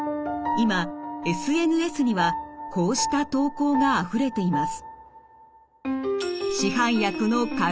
今ＳＮＳにはこうした投稿があふれています。